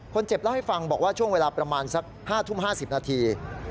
เจ็บเล่าให้ฟังบอกว่าช่วงเวลาประมาณสัก๕ทุ่ม๕๐นาที